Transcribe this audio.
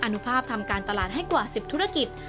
อนุภาพทำการตลาดให้กว่า๑๐ธุรกิจ